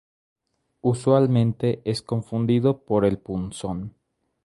Usualmente es confundido por el punzón.